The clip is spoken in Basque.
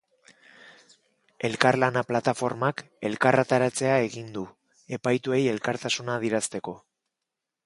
Elkarlana plataformak elkarretaratzea egin du, epaituei elkartasuna adierazteko.